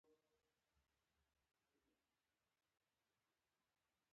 د پخلنځي رڼا یوه شپه خاموشه وه.